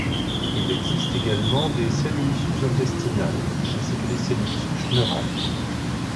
Il existe également des cellules souches intestinales ainsi que des cellules souches neurales.